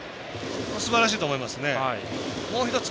すばらしいと思いますね。